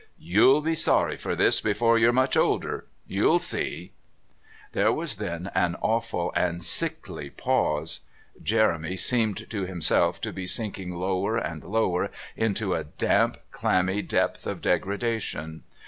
You'll be sorry for this before you're much older.... You see." There was then an awful and sickly pause. Jeremy seemed to himself to be sinking lower and lower into a damp clammy depth of degradation.